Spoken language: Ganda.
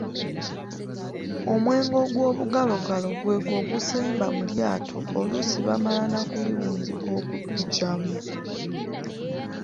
Omwenge ogwobugalogalo gwegwo ogusemba mu lyato oluusi bamala na kuliwunzika okuguggyamu.